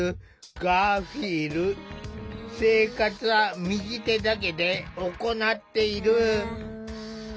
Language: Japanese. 生活は右手だけで行っている。